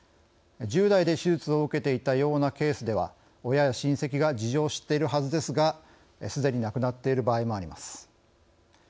１０代で手術を受けていたようなケースでは、親や親せきが事情を知っているはずですがすでに亡くなっている場合もあります。